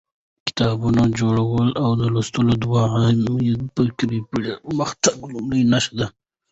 د کتابتونونو جوړول او د لوست دود عامول د فکري پرمختګ لومړۍ نښه ده.